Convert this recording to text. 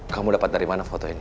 kamu dapat dari mana foto ini